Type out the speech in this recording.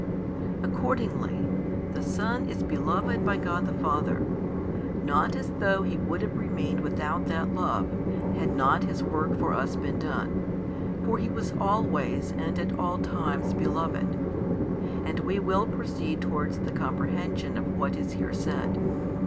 Accordingly, the Son is beloved by God the Father; not as though He would have remained without that love, had not His work for us been done; for He was always and at all times beloved. And we will proceed towards the comprehension of what is here said.